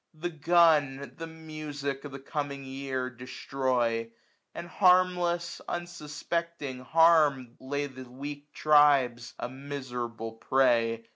The gun the music of the coming year Destroy ; and harmless, unsuspecting harm^ Lay the weak tribes, a miserable prey.